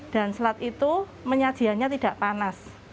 dan selat itu penyajiannya tidak panas